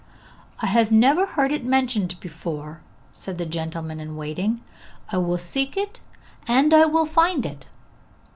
'I have never heard it mentioned before,' said the gentleman in waiting. 'I will seek it, and I will find it!'